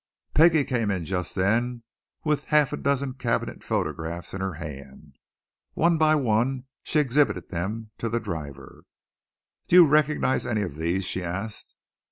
Peggie came in just then with a half a dozen cabinet photographs in her hand. One by one she exhibited them to the driver. "Do you recognize any of these?" she asked.